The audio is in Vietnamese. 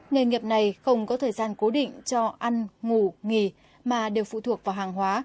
nghề nghiệp này không có thời gian cố định cho ăn ngủ nghỉ mà đều phụ thuộc vào hàng hóa